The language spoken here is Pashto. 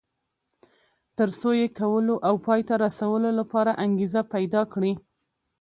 تر څو یې کولو او پای ته رسولو لپاره انګېزه پيدا کړي.